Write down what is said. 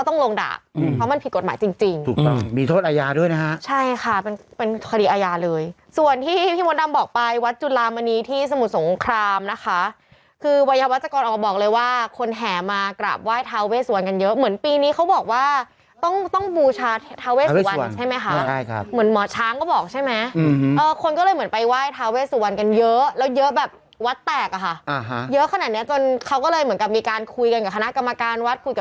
น้องใช่บันไดลิงอันเดียวอืมอืมทางขึ้นทางลงมีบันไดอันเดียว